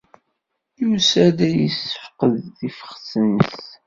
Yusa-d ad yessefqed tifxet-nnes.